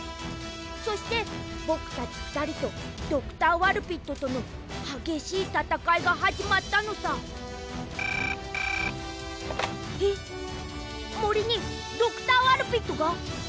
そしてぼくたちふたりとドクター・ワルピットとのはげしいたたかいがはじまったのさ☎えっもりにドクター・ワルピットが！？